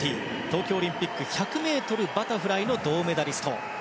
東京オリンピック１００ｍバタフライの銅メダリスト。